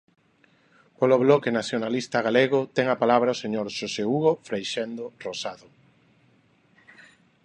Polo Bloque Nacionalista Galego ten a palabra o señor Xosé Hugo Freixendo Rozado.